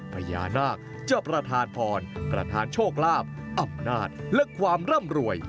พญานาคจะประทานพรประธานโชคลาภอำนาจและความร่ำรวย